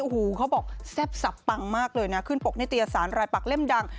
โอ้โหเขาบอกแซ่บสับปังมากเลยนะขึ้นปกนิตยสารรายปักเล่มดัง